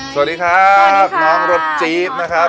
สวัสดีครับน้องรถจี๊ดนะครับ